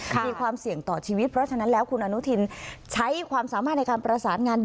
มีความเสี่ยงต่อชีวิตเพราะฉะนั้นแล้วคุณอนุทินใช้ความสามารถในการประสานงาน